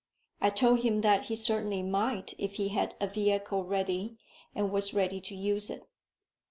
I told him that he certainly might if he had a vehicle ready, and was ready to use it.